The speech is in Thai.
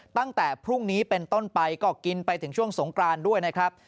ตั้งแต่พรุ่งนี้เป็นต้นไปก็กินไปถึงช่วงสงกรานด้วยนะครับ